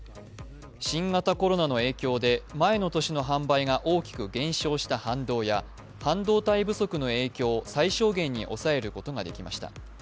新型コロナの影響で前の年の販売が大きく減少した反動や半導体不足の影響を最小限に抑えることができました。